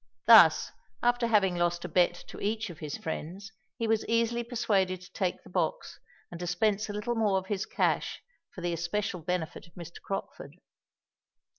Thus, after having lost a bet to each of his friends, he was easily persuaded to take the box, and dispense a little more of his cash for the especial benefit of Mr. Crockford.